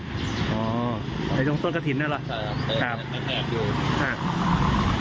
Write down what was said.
ถ้ายงงส้นกะถิญนะหรอ